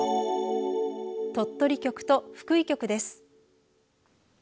鳥取局と福井局です。